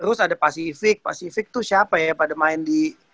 terus ada pasifik pasifik tuh siapa ya pada main di